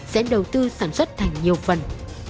sẽ đầu tư sản xuất thành nhiều phần